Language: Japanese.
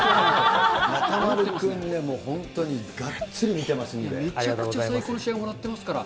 中丸君、本当にがっつり見てめちゃくちゃ最高の試合をもらっていますから。